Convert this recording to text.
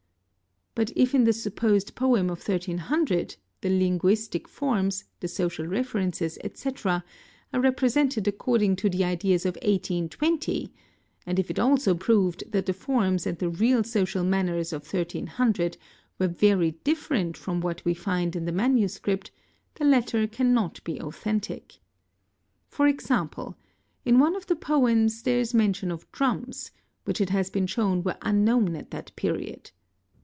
But if in the supposed | poem of 1300 the linguistic forms, the social references, ete., are repre | sented according to the ideas of 1820, and if it also proved that the forms and the real social manners of 1300 were very different from what we _ find in the manuscript, the latter cannot be authentic. For example in | one of the poems there is mention of drums, which it has been shown ~ were unknown at that period.